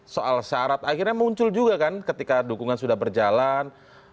soal syarat akhirnya muncul juga kan ketika dukungan sudah berjalan